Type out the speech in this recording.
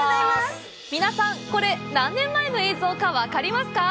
皆さん、これ何年前の映像かわかりますか？